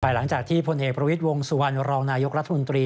หลังจากที่พลเอกประวิทย์วงสุวรรณรองนายกรัฐมนตรี